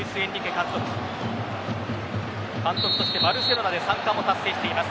監督としてバルセロナで３冠を達成しています。